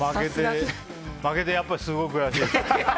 負けて、やっぱりすごい悔しいです。